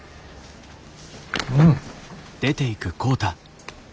うん。